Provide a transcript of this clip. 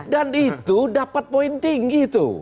dan itu dapat poin tinggi tuh